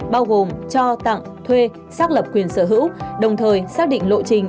bao gồm cho tặng thuê xác lập quyền sở hữu đồng thời xác định lộ trình